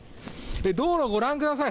道路をご覧ください。